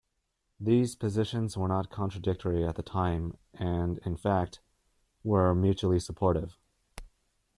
These positions were not contradictory at the time and, in fact, were mutually supportive.